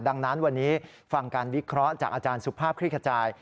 ดังนั้นวันนี้ฟังการวิเคราะห์จากอาจารย์สุภาพคลิกขจาย